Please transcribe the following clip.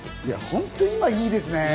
本当、今いいですね。